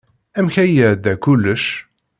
Amek ay iɛedda kullec?